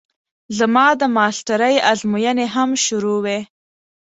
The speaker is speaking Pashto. زما د ماسټرۍ ازموينې هم شروع وې.